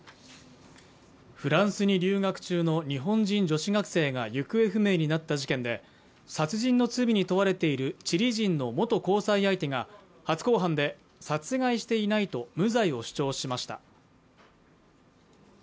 フランスに留学中の日本人女子学生が行方不明になった事件で殺人の罪に問われているチリ人の元交際相手が初公判で殺害していないと無罪を主張しました